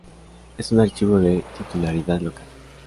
Es un archivo de titularidad local.